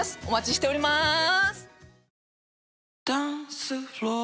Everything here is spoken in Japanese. お待ちしておりまーす